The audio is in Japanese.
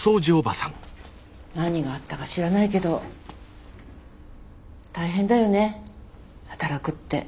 何があったか知らないけど大変だよね働くって。